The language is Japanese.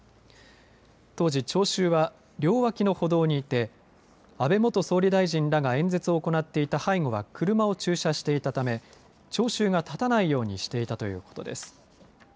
当時、聴衆は両脇の歩道にいて安倍元総理大臣らが演説を行っていた背後は車を駐車していたため聴衆が立たないようにしていたということです。